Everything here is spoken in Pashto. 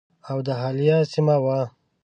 اَوَد حایله سیمه وه.